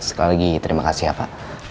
sekali lagi terima kasih ya pak